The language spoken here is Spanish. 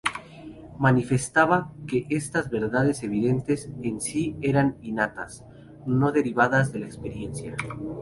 Manifestaba que estas verdades evidentes en sí eran innatas, no derivadas de la experiencia.